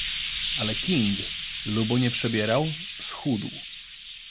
Ale King, lubo nie przebierał — schudł.